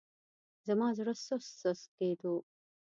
زما زړه سست سست کېدو.